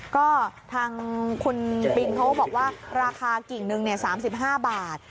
ก็ทางคุณปินเขาบอกว่าราคากิ่งนึง๓๕บาท